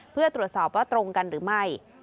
เพื่อตรวจสอบว่าตรงกันหรือไม่